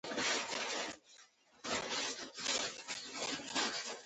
دا ډلې ډلبندي کېږي.